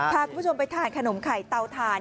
พาคุณผู้ชมไปทานขนมไข่เตาถ่าน